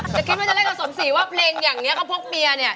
จะคิดว่าจะเล่นกับสมศรีว่าเพลงอย่างนี้เขาพกเมียเนี่ย